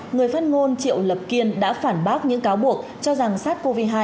người phát ngôn triệu lập kiên đã phản bác những cáo buộc cho rằng sát covid hai